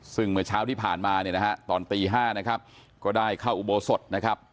ซึ่งเมื่อเช้าที่ผ่านมาเนี่ยนะฮะตอนตี๕นะครับก็ได้เข้าอุโบสถนะครับ